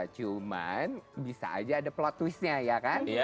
cuman bisa aja ada plot twistnya ya kan